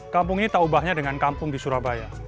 kampung ini tak ubahnya dengan kampung di surabaya